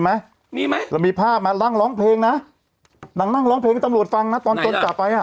แล้วมีภาพมารั่งร้องเพลงนะนั่งนั่งร้องเพลงตำรวจฟังนะตอนจนกลับไปอ่ะ